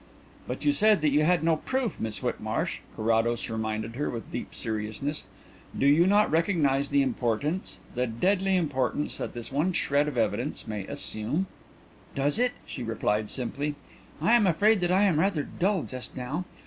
"But you said that you had no proof, Miss Whitmarsh," Carrados reminded her, with deep seriousness. "Do you not recognize the importance the deadly importance that this one shred of evidence may assume?" "Does it?" she replied simply. "I am afraid that I am rather dull just now.